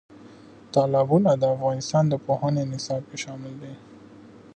تالابونه د افغانستان د پوهنې نصاب کې شامل دي.